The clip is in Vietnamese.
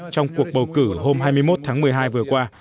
trong cuộc bầu cử hôm hai mươi một tháng một mươi hai vừa qua